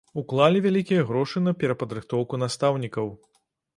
Уклалі вялікія грошы на перападрыхтоўку настаўнікаў.